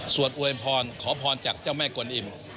สวดเวรพรขอภอนจากเจ้าแม่กลวนอิ่ม